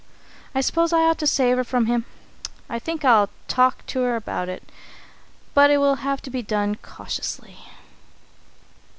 I suppose I ought to save her from him. I think I'll talk to her about it, but it will have to be done cautiously.